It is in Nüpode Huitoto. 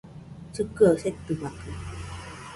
Llɨkɨaɨ setɨmakɨ